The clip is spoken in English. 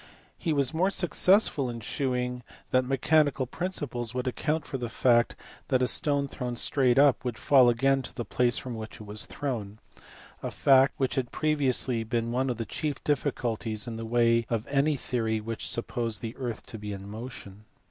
He was more successful in shewing that mechanical principles would account for the fact that a stone thrown straight up would fall again to the place from which it was thrown a fact which had previously been one of the chief difficulties in the way of any theory which supposed the earth to be in motion.